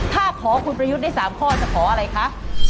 ถ้าขอคุณประยุทธ์ได้๓ข้อจะขออะไรคะ